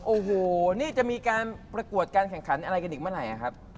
โอ้โหนี่จะมีการประกวดการแข่งขันอะไรกันอีกเมื่อไหร่ครับ